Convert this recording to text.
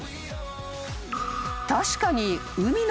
［確かに］